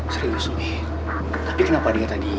serius tapi kenapa dia tadi